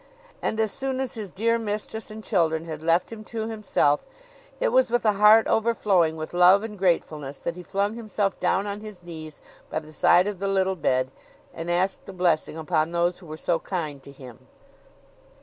And as soon as his dear mistress and children had left him to himself, it was with a heart overflowing with love and gratefulness that he flung himself down on his knees by the side of the little bed, and asked a blessing upon those who were so kind to him.